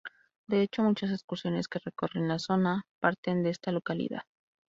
De hecho muchas excursiones que recorren la zona parten de esta localidad.